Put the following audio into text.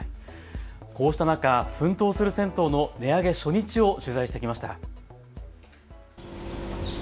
こうした中、奮闘する銭湯の値上げ初日を取材してきました。